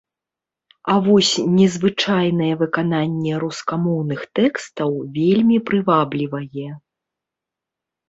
А вось незвычайнае выкананне рускамоўных тэкстаў вельмі прываблівае.